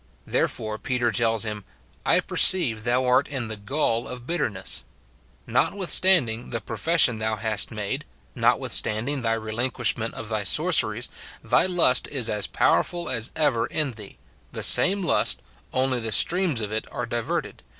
Therefore Peter tells him, " I perceive thou art in the gall of bitterness;" — "Notwithstanding the profession thou hast made, notwithstanding thy relinquishment of thy sorceries, thy lust is as powerful as ever in thee ; the same lust, only the streams of it are diverted.